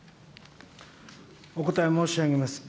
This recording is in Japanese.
お答え申し上げます。